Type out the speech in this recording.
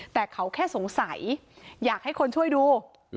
แต่เขาแค่สงสัยอยากให้คนช่วยดู